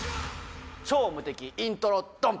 超無敵イントロドン！